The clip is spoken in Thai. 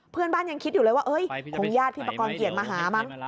เพื่อนบ้านยังคิดอยู่เลยว่าคงญาติพี่ประกอบเกียรติมาหามั้ง